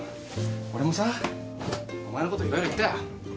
俺もさお前のこと色々言ったよ。